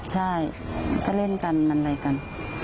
ใช่ก็เล่นกันมันอะไรกัน